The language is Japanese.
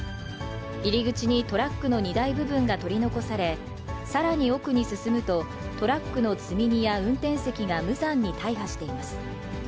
入り口にトラックの荷台部分が取り残され、さらに奥に進むと、トラックの積み荷や運転席が無残に大破しています。